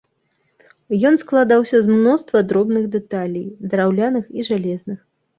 Ён складаўся з мноства дробных дэталей, драўляных і жалезных.